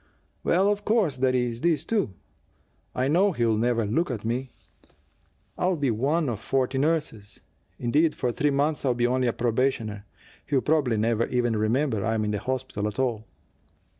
"Well, of course, there's this, too. I know he'll never look at me. I'll be one of forty nurses; indeed, for three months I'll be only a probationer. He'll probably never even remember I'm in the hospital at all."